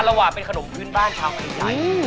อารวาเป็นขนมพื้นบ้านชาวไข่ใหญ่